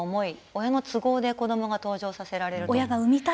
親の都合で子どもが登場させられると。